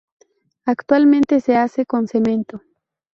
Actualmente se hace con cemento.